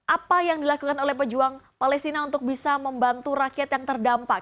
apa yang dilakukan oleh pejuang palestina untuk bisa membantu rakyat yang terdampak